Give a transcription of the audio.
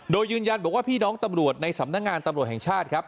โดยยืนยันบอกว่าพี่น้องตำรวจในสำนักงานตำรวจแห่งชาติครับ